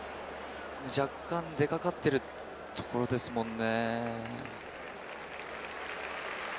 若干、出かかってるところですもんね。